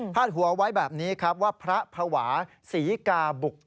หัวไว้แบบนี้ครับว่าพระภาวะศรีกาบุก